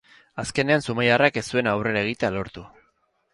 Azkenean, zumaiarrak ez zuen aurrera egitea lortu.